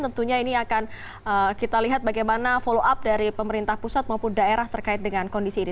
tentunya ini akan kita lihat bagaimana follow up dari pemerintah pusat maupun daerah terkait dengan kondisi ini